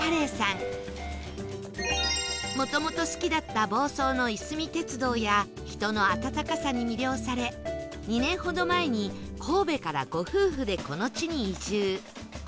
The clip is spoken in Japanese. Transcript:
もともと好きだった房総のいすみ鉄道や人の温かさに魅了され２年ほど前に神戸からご夫婦でこの地に移住